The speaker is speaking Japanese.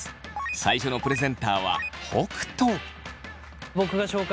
最初のプレゼンターは北斗。